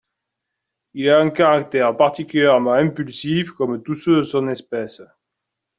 Il a un caractère particulièrement impulsif comme tous ceux de son espèce.